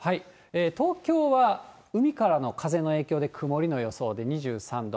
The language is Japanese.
東京は海からの風の影響で曇りの予想で２３度。